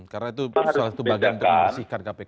karena itu salah satu bagian dalam bersihkan kpk